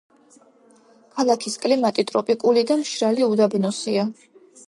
ქალაქის კლიმატი ტროპიკული და მშრალი უდაბნოსია.